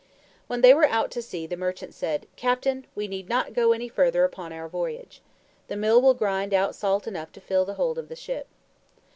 When they were out at sea, the merchant said, "Captain, we need not go any further upon our voyage. The Mill will grind out salt enough to fill the hold of the ship."